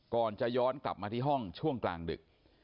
ก่อนจะย้อนกลับมาที่ห้องช่วงกลางดึก